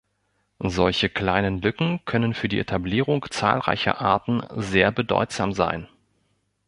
Solche kleinen Lücken können für die Etablierung zahlreicher Arten sehr bedeutsam sein.